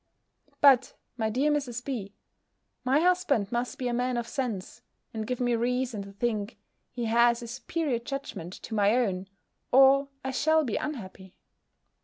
But, my dear Mrs. B., my husband must be a man of sense, and give me reason to think he has a superior judgment to my own, or I shall be unhappy.